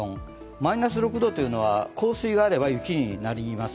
マイナス６度というのは降水があれば雪になります。